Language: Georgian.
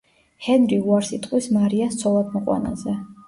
ჰენრი უარს იტყვის მარიას ცოლად მოყვანაზე.